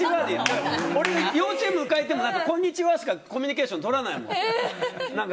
俺、幼稚園迎えに行ってもこんにちはしかコミュニケーション取らないもん。